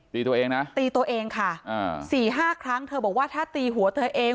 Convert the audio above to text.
ตีตัวเองนะตีตัวเองค่ะอ่าสี่ห้าครั้งเธอบอกว่าถ้าตีหัวเธอเอง